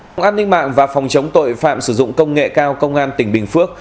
công an ninh mạng và phòng chống tội phạm sử dụng công nghệ cao công an tỉnh bình phước